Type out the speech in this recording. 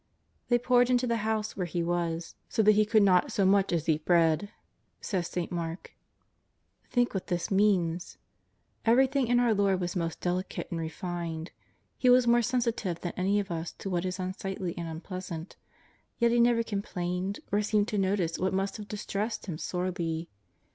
They poured into the house where He was, " so that He eould not so much as eat bread," says St. Mark. Think what this means. Everything in our Lord was most delicate and re fined. He was more sensitive than any of us to what is unsightly and unpleasant. Yet He never com plained, or seemed to notice what must have distressed Him sorely.